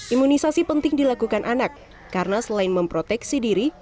imunisasi penting dilakukan anak karena selain memproteksi diri